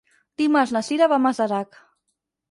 Dimarts na Cira va a Masarac.